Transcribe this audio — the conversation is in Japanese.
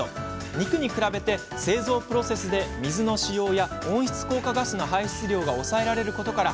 肉に比べ、製造プロセスで水の使用や温室効果ガスの排出量が抑えられることから